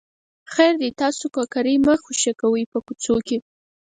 خیر دی خو تاسې کوکری مه خوشې کوئ په کوڅو کې.